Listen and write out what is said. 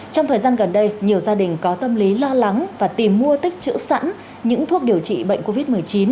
trong thời gian gần đây nhiều gia đình có tâm lý lo lắng và tìm mua tích trữ sẵn những thuốc điều trị bệnh covid một mươi chín